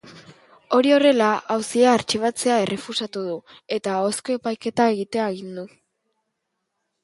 Hori horrela, auzia artxibatzea errefusatu du, eta ahozko epaiketa egitea agindu.